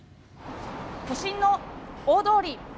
都心の大通り。